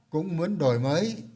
cũng muốn đổi mới